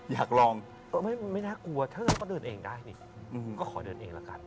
อยากลองไม่น่ากลัวถ้าเราก็เดินเองได้นี่ก็ขอเดินเองละกัน